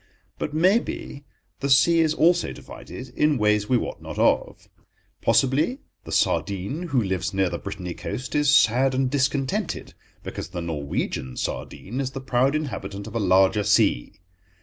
But, maybe, the sea is also divided in ways we wot not of. Possibly the sardine who lives near the Brittainy coast is sad and discontented because the Norwegian sardine is the proud inhabitant of a larger sea.